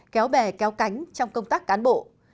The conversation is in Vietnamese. kéo bè kéo cánh trong công tác cán bộ